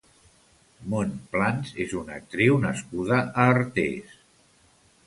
Mont Plans és una actriu nascuda a Artés.